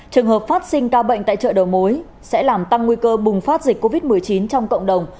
trường hợp phát sinh ca bệnh tại chợ đầu mối sẽ làm tăng nguy cơ bùng phát dịch covid một mươi chín trong cộng đồng